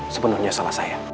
sebenernya salah saya